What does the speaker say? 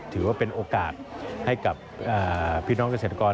ถือว่าเป็นโอกาสให้กับพี่น้องเกษตรกร